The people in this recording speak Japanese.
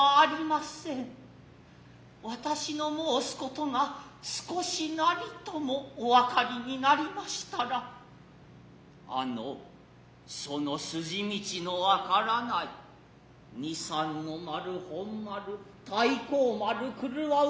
私の申すことが少しなりともお分りになりましたらあの其の筋道の分らない二三の丸本丸太閤丸廓内